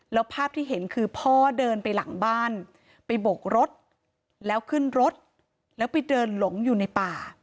แล้วภาพที่เห็นคือพ่อเดินไปหลังบ้านไปโบกรถแล้วขึ้นรถแล้วไปเดินหลงอยู่ในป่า